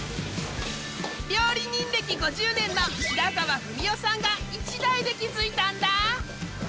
料理人歴５０年の白川文夫さんが一代で築いたんだ！